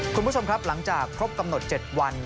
คุณผู้ชมครับหลังจากครบกำหนด๗วัน